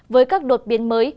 với các đột biến mới